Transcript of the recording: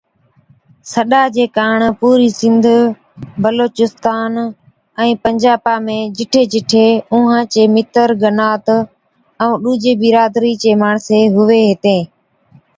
سڏا چي ڪاڻ پوري سنڌ، بلوچستان ائُون پنجابا ۾ جِٺي جِٺي اُونھان چي متر گنات ائُون ڏُوجِي برادري چين ماڻسين ھُوي ھِتين